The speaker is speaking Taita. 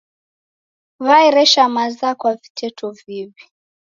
W'aeresha maza kwa viteto viw'i.